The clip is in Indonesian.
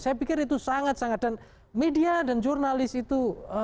saya pikir itu sangat sangat dan media dan jurnalis itu